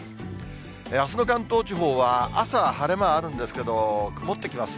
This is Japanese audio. あすの関東地方は、朝晴れ間あるんですけど、曇ってきます。